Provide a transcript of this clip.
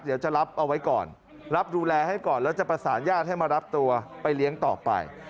เดี๋ยวจะรับเอาไว้ก่อนรับดูแลให้ก่อนแล้วจะประสานญาติให้มารับตัวไปเลี้ยงต่อไป